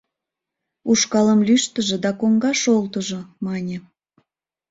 Ушкалым лӱштыжӧ да коҥгаш олтыжо, мане.